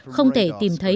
không bị phá hủy